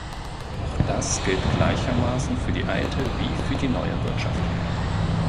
Auch das gilt gleichermaßen für die alte wie für die neue Wirtschaft.